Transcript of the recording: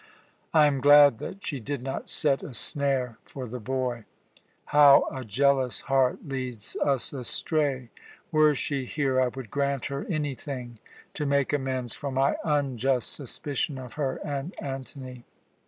I am glad that she did not set a snare for the boy. How a jealous heart leads us astray! Were she here, I would grant her anything to make amends for my unjust suspicion of her and Antony.